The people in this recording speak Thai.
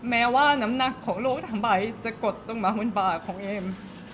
แม้ว่าน้ำหนักของโลกทั้งใบจะกดลงมาบนบากของเอ็ม